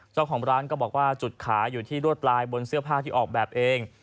เจ้าของร้านก็บอกว่าจุดขายอยู่ที่รวดลายบนเสื้อผ้าที่ออกแบบเอง